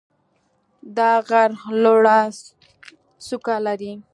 دا غر لوړه څوکه لري.